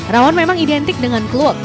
rawon memang identik dengan kluk